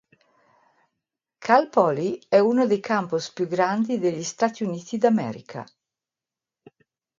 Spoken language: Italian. Cal Poly è uno dei campus più grandi degli Stati Uniti d'America.